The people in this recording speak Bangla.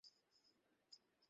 সবাই ওকে ভয় পায়।